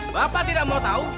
bapak tidak mau tahu